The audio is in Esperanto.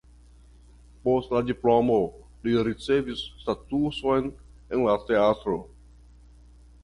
Post la diplomo li ricevis statuson en la teatro.